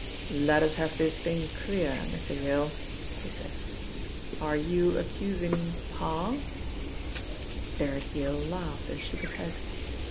"Let us have this thing clear, Mr. Yale," he said. "Are you accusing Parr?" Derrick Yale laughed and shook his head.